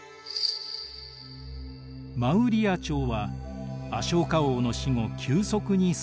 マウリヤ朝はアショーカ王の死後急速に衰退。